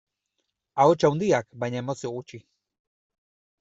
Ahots handiak, baina emozio gutxi.